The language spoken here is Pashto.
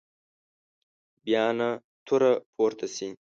بیا نه توره پورته شي.